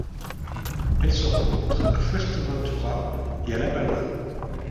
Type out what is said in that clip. Elle se rencontre à Fuerteventura et à La Palma.